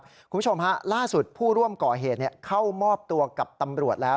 คุณผู้ชมฮะล่าสุดผู้ร่วมก่อเหตุเข้ามอบตัวกับตำรวจแล้ว